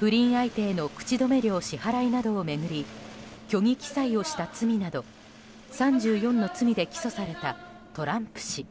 不倫相手への口止め料支払いなどを巡り虚偽記載をした罪など３４の罪で起訴されたトランプ氏。